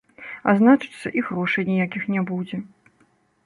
А значыцца, і грошай ніякіх не будзе.